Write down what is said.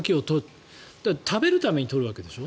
だって食べるために取るわけでしょ。